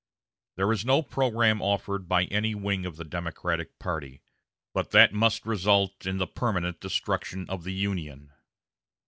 There is no program offered by any wing of the Democratic party, but that must result in the permanent destruction of the Union."